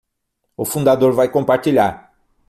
O fundador vai compartilhar